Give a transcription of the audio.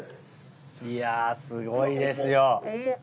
いやぁすごいですよ。